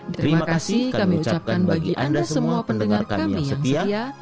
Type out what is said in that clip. terima kasih kami ucapkan bagi anda semua pendengar kami yang setia